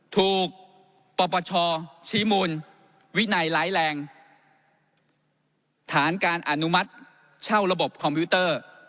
ปปชชี้มูลวินัยร้ายแรงฐานการอนุมัติเช่าระบบคอมพิวเตอร์